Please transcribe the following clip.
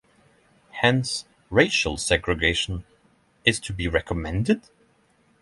Hence racial segregation is to be recommended.